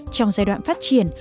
trong giai đoạn phát triển